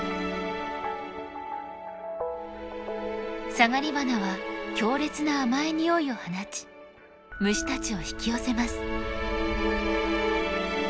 サガリバナは強烈な甘い匂いを放ち虫たちを引き寄せます。